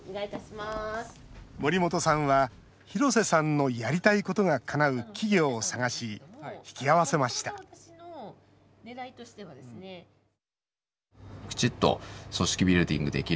森本さんは、廣瀬さんのやりたいことがかなう企業を探し引き合わせましたＣＡＮ。